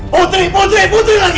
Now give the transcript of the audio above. putri putri putri lagi